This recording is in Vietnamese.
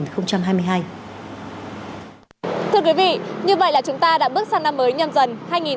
thưa quý vị như vậy là chúng ta đã bước sang năm mới nhâm dần hai nghìn hai mươi bốn